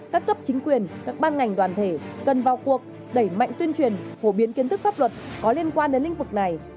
các cấp chính quyền các ban ngành đoàn thể cần vào cuộc đẩy mạnh tuyên truyền phổ biến kiến thức pháp luật có liên quan đến lĩnh vực này